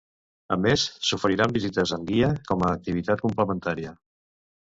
A més, s'oferiran visites amb guia com a activitat complementària.